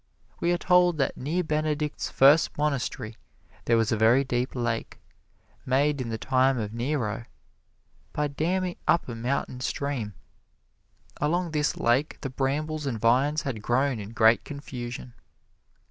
We are told that near Benedict's first monastery there was a very deep lake, made in the time of Nero by damming up a mountain stream. Along this lake the brambles and vines had grown in great confusion.